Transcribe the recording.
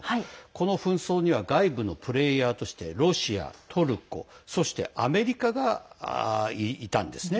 この紛争には外部のプレーヤーとしてロシアトルコ、そしてアメリカがいたんですね。